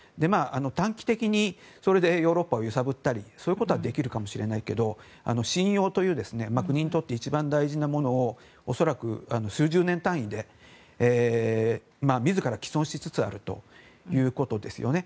短期的にそれでヨーロッパを揺さぶったりということはできるかもしれないけど信用という国にとって一番大事なものを恐らく数十年単位で自ら棄損しつつあるということですよね。